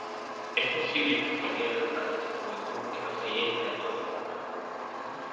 Es posible que estudiara durante su juventud en los talleres de Antonio Borja.